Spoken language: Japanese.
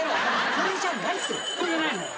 これじゃないの？